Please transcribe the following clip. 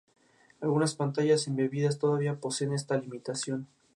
Algunas pantallas embebidas todavía poseen esta limitación.